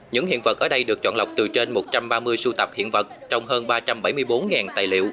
những hiện vật ở đây được chọn lọc từ trên một trăm ba mươi sưu tập hiện vật trong hơn ba trăm bảy mươi bốn tài liệu